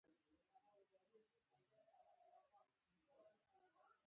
د منفي فیډبک بڼې د ګڼو ملتونو پرمختګ ته شکل ورکړ.